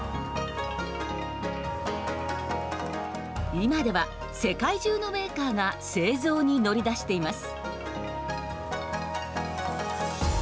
今では世界中のメーカーが製造に乗り出しています。